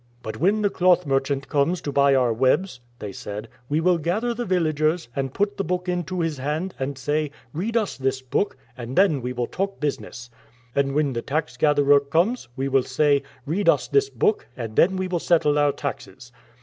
"But when the cloth merchant comes to buy our webs,"" they said, " we will gather the villagers, and put the book into his hand, and say, ' Read us this book, and then w^e will talk business.' And when the tax gatherer comes we will say, ' Read us this book, and then we will settle our taxes.'